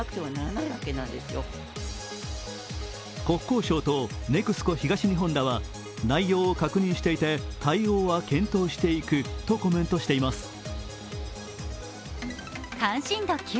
国交省とＮＥＸＣＯ東日本らは内容を確認していて対応は検討していくとコメントしています。